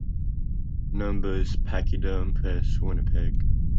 "Numbers" Pachyderm Press, Winnipeg.